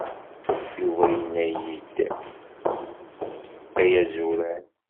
Yuba yenna-iyi-d a azuran.